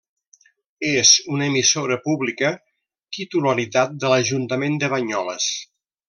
És una emissora pública, titularitat de l'Ajuntament de Banyoles.